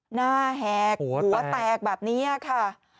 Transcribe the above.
หน้าแหกหัวแตกแบบนี้ค่ะ